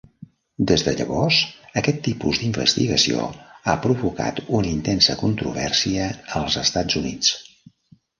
Des de llavors, aquest tipus d'investigació ha provocat una intensa controvèrsia als Estats Units.